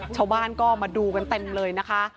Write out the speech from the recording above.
ชาวบ้านก็มาดูกันเต็มเลยนะคะ